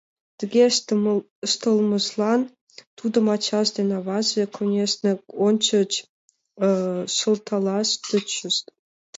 Тыге ыштылмыжлан тудым ачаж ден аваже, конешне, ончыч шылталаш тӧчышт.